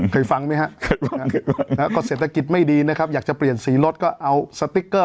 เคยฟังไหมฮะก็เศรษฐกิจไม่ดีนะครับอยากจะเปลี่ยนสีรถก็เอาสติ๊กเกอร์